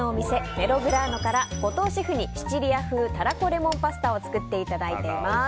メログラーノから後藤シェフにシチリア風タラコレモンパスタを作っていただいています。